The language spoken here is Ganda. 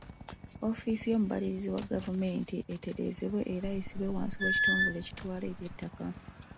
Ofiisi y’omubalirizi wa gavumenti etereezebwe era essibwe wansi w’ekitongole ekitwala eby'ettaka.